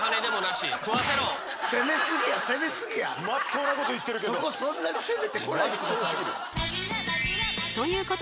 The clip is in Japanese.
まっとうなこと言ってるけど。という